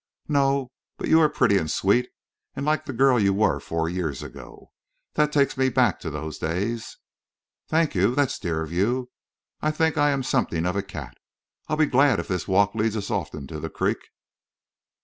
"No. But you are pretty and sweet, and like the girl you were four years ago. That takes me back to those days." "I thank you. That's dear of you. I think I am something of a cat.... I'll be glad if this walk leads us often to the creek."